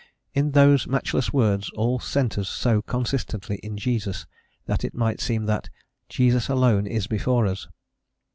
in those matchless words all centres so consistently in Jesus, that it might seem that "Jesus Alone is before us."